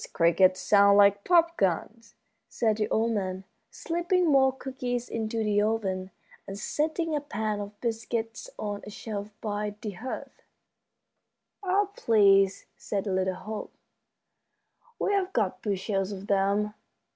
"Those crickets sound like pop guns," said the old man, slipping more cookies into the oven and setting a pan of biscuits on a shelf by the hearth. "Oh, please," said little Hope, "we've got bushels of them!"